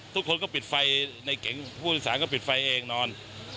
ทุกคนก็ปิดไฟในเก๋งผู้โดยสารก็ปิดไฟเองนอน